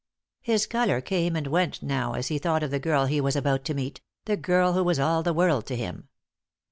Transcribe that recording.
His colour came and went now as he thought of the girl he was about to meet, the girl who was all the world to him.